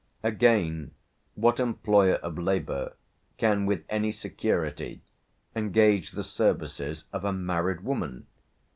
"Again, what employer of labour can with any security engage the services of a married woman?